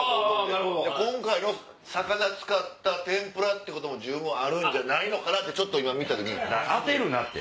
今回の魚使った天ぷらってことも十分あるんじゃないのかなってちょっと今見た時。